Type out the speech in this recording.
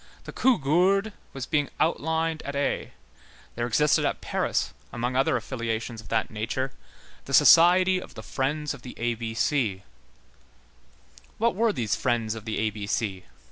The Cougourde was being outlined at Aix; there existed at Paris, among other affiliations of that nature, the society of the Friends of the A B C. What were these Friends of the A B C?